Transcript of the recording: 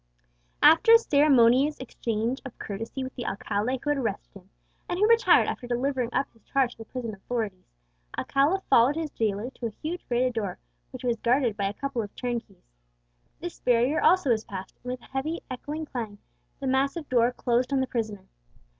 After a ceremonious exchange of courtesy with the alcalde who had arrested him, and who retired after delivering up his charge to the prison authorities, Alcala followed his jailer to a huge grated door, which was guarded by a couple of turnkeys. This barrier also was passed, and with a heavy, echoing clang the massive door closed on the prisoner.